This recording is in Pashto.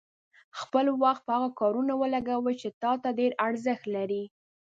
خپل وخت په هغه کارونو ولګوئ چې تا ته ډېر ارزښت لري.